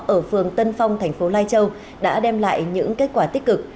ở phường tân phong thành phố lai châu đã đem lại những kết quả tích cực